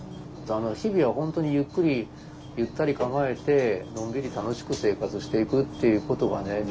日々は本当にゆっくりゆったり構えてのんびり楽しく生活していくっていうことがね